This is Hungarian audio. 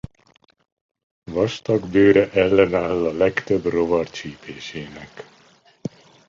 Vastag bőre ellenáll a legtöbb rovar csípésének.